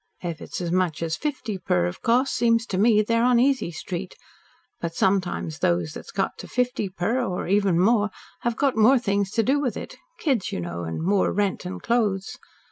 If it's as much as fifty per, of course, seems like to me, they're on Easy Street. But sometimes those that's got to fifty per or even more have got more things to do with it kids, you know, and more rent and clothes.